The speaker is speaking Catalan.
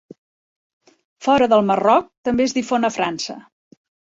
Fora del Marroc també es difon a França.